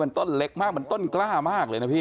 มันต้นเล็กมากมันต้นกล้ามาก